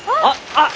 あっ！